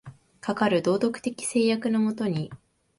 かかる道徳的制約の下に、